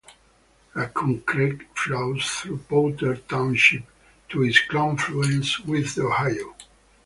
Raccoon Creek flows through Potter Township to its confluence with the Ohio.